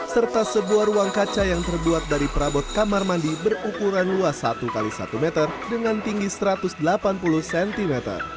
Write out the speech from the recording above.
serta sebuah ruang kaca yang terbuat dari perabot kamar mandi berukuran luas satu x satu meter dengan tinggi satu ratus delapan puluh cm